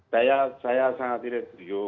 saya sangat tidak setuju